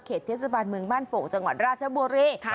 เทศบาลเมืองบ้านโป่งจังหวัดราชบุรี